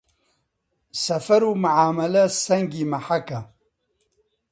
سەفەر و معامەلە سەنگی مەحەکە